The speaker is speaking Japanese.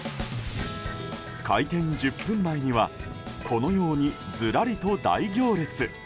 開店１０分前にはこのように、ずらりと大行列。